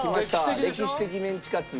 歴史的メンチカツ。